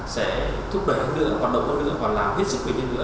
sẽ thúc đẩy những hoạt động công nghiệp hoạt làm hết sự quyền nhân lửa